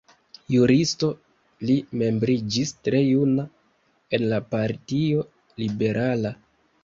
Juristo, li membriĝis tre juna en la Partio Liberala.